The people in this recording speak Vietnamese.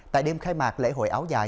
tại đêm khai mạc lễ hội áo dài